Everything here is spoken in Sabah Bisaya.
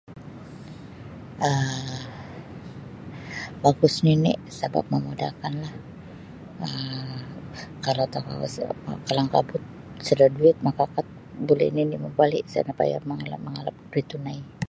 um Bagus nini sabab mamudahkanlah um kalau tokou isa kalangkabut sada duit maka kad buli nini mambali isa napayah mangalap mangalap da duit tunai.